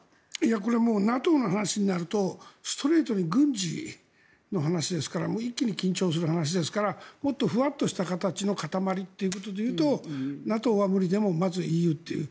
これはＮＡＴＯの話になるとストレートに軍事の話ですから一気に緊張する話ですからもっとふわっとした形の固まりということで言うとＮＡＴＯは無理でもまずＥＵという。